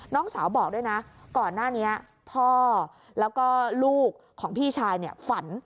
น้องสาวบอกด้วยนะก่อนหน้านี้พ่อแล้วก็ลูกของพี่ชายฝัน